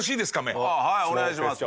小峠：はい、お願いします。